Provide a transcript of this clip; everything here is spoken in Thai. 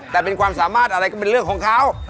แต่เป็นความสามารถอะไรก็เป็นเรื่องของเขา